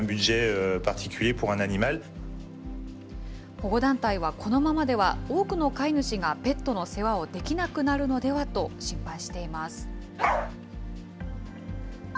保護団体はこのままでは多くの飼い主がペットの世話をできなくなるのではと心配しています。